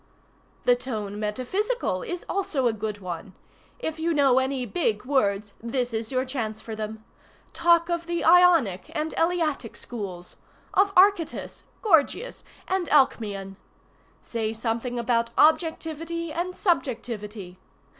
"The tone metaphysical is also a good one. If you know any big words this is your chance for them. Talk of the Ionic and Eleatic schools—of Archytas, Gorgias, and Alcmaeon. Say something about objectivity and subjectivity.